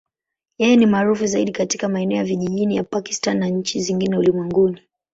Yeye ni maarufu zaidi katika maeneo ya vijijini ya Pakistan na nchi zingine ulimwenguni.